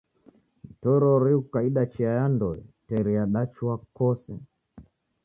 Mtorori ghukaida chia ya ndoe, teri yadachua kose